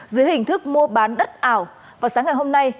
dưới hình thức mua bán đất ảo vào sáng ngày hôm nay